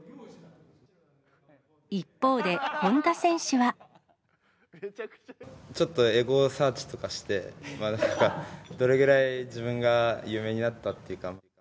一方で、ちょっとエゴサーチとかして、どれぐらい自分が有名になったっていうか。